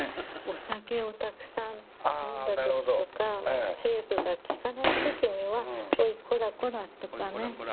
お酒をたくさん飲んだ時とかセーブがきかない時にはおいこらこら！とかね。